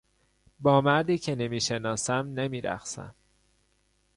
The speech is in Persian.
با مردی که نمیشناسم نمیرقصم.